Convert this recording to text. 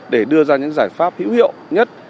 để đưa ra những giải pháp hữu hiệu nhất